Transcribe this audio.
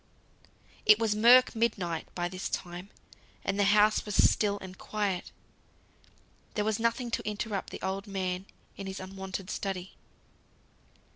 It was murk midnight by this time, and the house was still and quiet. There was nothing to interrupt the old man in his unwonted study.